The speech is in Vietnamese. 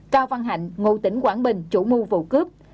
cao văn hạnh ngụ tỉnh quảng bình chủ mưu vụ cướp